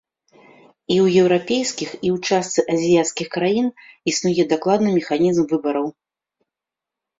І ў еўрапейскіх, і ў частцы азіяцкіх краін існуе дакладны механізм выбараў.